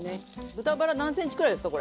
豚バラ何センチくらいですか？